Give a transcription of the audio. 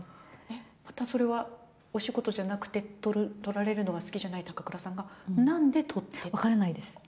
またそれはお仕事じゃなくて、撮られるのが好きじゃない高倉さんが、分からないです。